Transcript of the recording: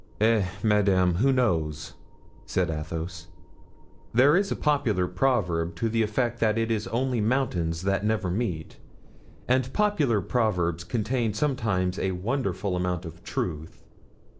"Eh, madame, who knows?" said Athos. "There is a popular proverb to the effect that it is only mountains that never meet; and popular proverbs contain sometimes a wonderful amount of truth."